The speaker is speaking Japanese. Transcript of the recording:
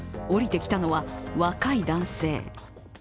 降りてきたのは、若い男性。